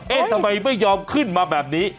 ทำไมไม่ยอมขึ้นมาแบบนี้